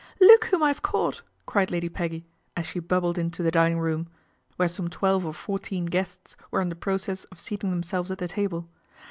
" Look whom I've caught !" cried Lady Pegg as she bubbled into the dining room, where som twelve or fourteen guests were in process of sea 1 ing themselves at the table.